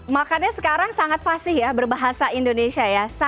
makanya sekarang sangat fasih ya berbahasa indonesia ya